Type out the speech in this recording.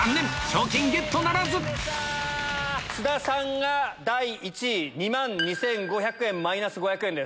賞金ゲットならず津田さんが第１位２万２５００円マイナス５００円です。